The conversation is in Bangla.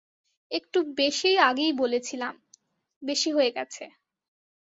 একটু বেশিই আগেই বলেছিলাম বেশি হয়ে গেছে।